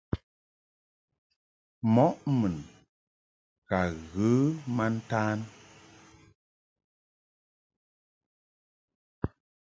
Mɔʼ mun ka ghə ma ntan.